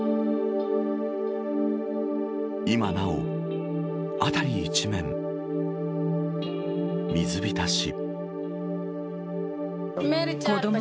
今なお辺り一面水浸し。